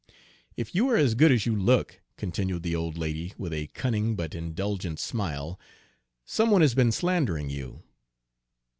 "If you are as good as you look," continued the old lady, with a cunning but indulgent smile, "some one has been slandering you."